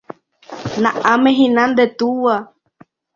Na'áme hína nde túva